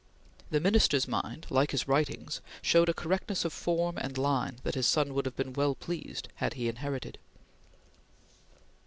The Minister's mind like his writings showed a correctness of form and line that his son would have been well pleased had he inherited.